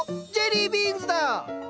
ジェリービーンズだ！